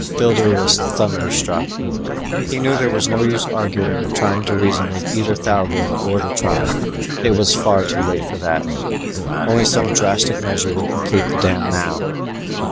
Builder was thunderstruck. He knew there was no use arguing or trying to reason with either Thougor or the tribe. It was too late for that; only some drastic measure would complete the dam now.